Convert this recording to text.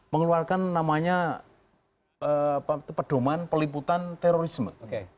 mengeluarkan namanya pedoman peliputan terorisme